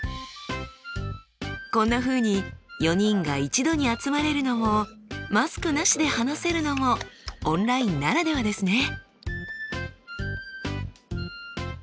こんなふうに４人が一度に集まれるのもマスクなしで話せるのもオンラインならではですね。